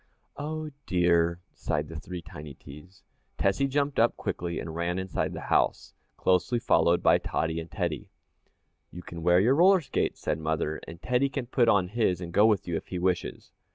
"Oh, dear!" sighed the three tiny T's. Tessie jumped up quickly and ran inside the house, closely followed by Tottie and Teddy. "You can wear your roller skates," said mother, "and Teddy can put on his and go with you, if he wishes."